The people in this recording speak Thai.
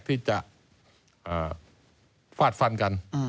ที่จะฟาดฟันกัน